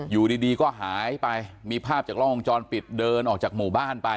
อยู่ดีก็หายไปมีภาพจากล้องวงจรปิดเดินออกจากหมู่บ้านไป